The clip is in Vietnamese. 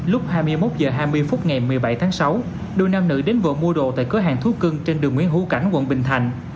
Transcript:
lúc hai mươi một h hai mươi phút ngày một mươi bảy tháng sáu đôi nam nữ đến vợ mua đồ tại cửa hàng thuốc cưng trên đường nguyễn hữu cảnh quận bình thành